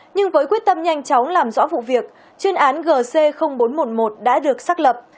nhưng với quyết tâm nhanh chóng làm rõ vụ việc chuyên án gc bốn trăm một mươi một đã được xác lập